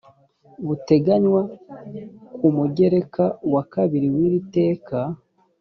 buteganywa ku mugereka wa kabiri w iri teka